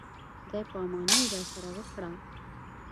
خدای په اماني یې راسره وکړه.